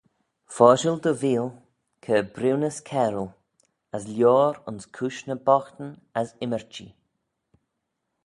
Foshil dty veeal, cur-briwnys cairal, as loayr ayns cooish ny boghtyn as ymmyrchee.